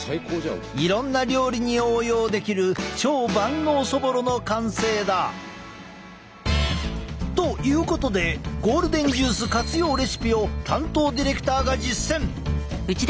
いろんな料理に応用できる超万能そぼろの完成だ。ということでゴールデンジュース活用レシピを担当ディレクターが実践！